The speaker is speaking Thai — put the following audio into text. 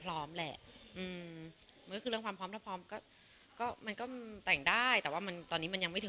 เรื่องความพร้อมแหละ